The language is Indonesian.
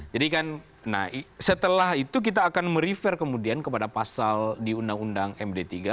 jadi kan setelah itu kita akan merifer kemudian kepada pasal di undang undang md tiga